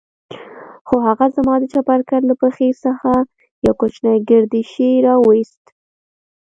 خو هغه زما د چپرکټ له پښې څخه يو کوچنى ګردى شى راوايست.